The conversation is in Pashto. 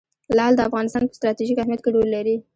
لعل د افغانستان په ستراتیژیک اهمیت کې رول لري.